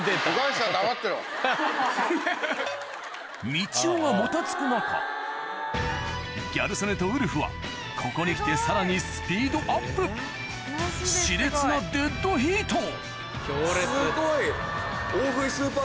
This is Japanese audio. みちおがもたつく中ギャル曽根とウルフはここに来てさらにスピードアップすごい！